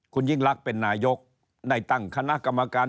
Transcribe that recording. คุณยิ่งลักษณ์เป็นนายกได้ตั้งคณะกรรมการ